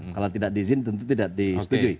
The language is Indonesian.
kalau tidak diizin tentu tidak disetujui